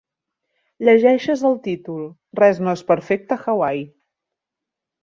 Llegeixes el títol: Res no és perfecte a Hawaii.